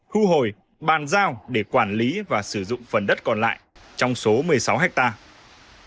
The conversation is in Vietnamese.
thu hồi bàn giao để quản lý và sử dụng phần đất còn lại trong số một mươi sáu hectare